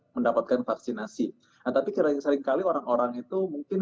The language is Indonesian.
mendapatkan vaksinasi nah tapi seringkali orang orang itu mungkin